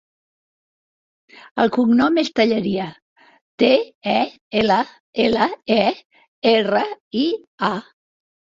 El cognom és Telleria: te, e, ela, ela, e, erra, i, a.